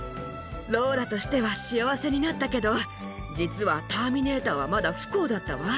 ローラとしては幸せになったけど、実はターミネーターは、まだ不幸だったわ。